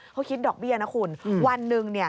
เขาคิดดอกเบี้ยนะคุณวันหนึ่ง